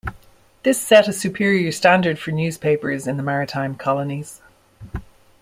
This set a superior standard for newspapers in the maritime colonies.